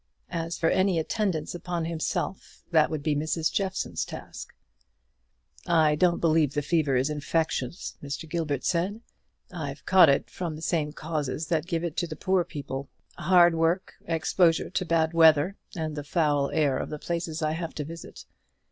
As for any attendance upon himself, that would be Mrs. Jeffson's task. "I don't believe the fever is infectious," Mr. Gilbert said; "I've caught it from the same causes that give it to the poor people: hard work, exposure to bad weather, and the foul air of the places I have to visit.